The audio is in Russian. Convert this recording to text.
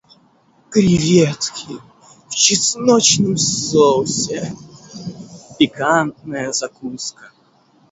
Креветки в чесночном соусе - пикантная закуска.